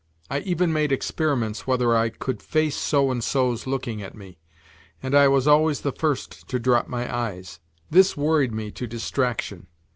I even made experiments whether I could face so and so's looking at me, and I was always the first to drop my eyes. This worried me to distraction.